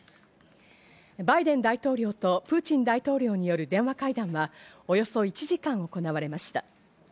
バイデン大統領とプーチン大統領による電話会談はおよそ１時間行われました。